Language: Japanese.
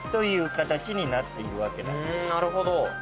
なるほど。